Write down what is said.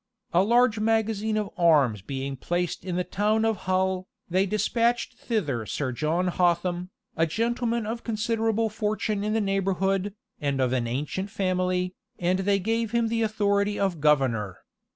A large magazine of arms being placed in the town of Hull, they despatched thither Sir John Hotham, a gentleman of considerable fortune in the neighborhood, and of an ancient family, and they gave him the authority of governor.